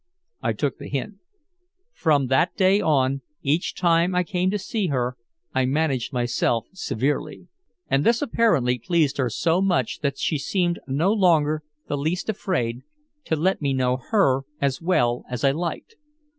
I took the hint. From, that day on, each time I came to see her, I managed myself severely. And this apparently pleased her so much that she seemed no longer the least afraid to let me know her as well as I liked.